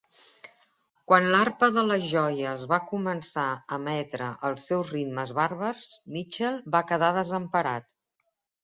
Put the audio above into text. Quan l'arpa de les joies va començar a emetre els seus ritmes bàrbars, Michael va quedar desemparat.